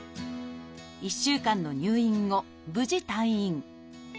１週間の入院後無事退院。